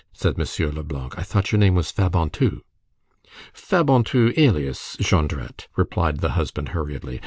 said M. Leblanc, "I thought your name was Fabantou?" "Fabantou, alias Jondrette!" replied the husband hurriedly.